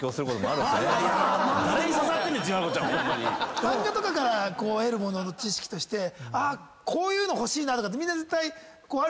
漫画とかから得るものの知識としてこういうの欲しいな！とかみんな絶対あるじゃないですか。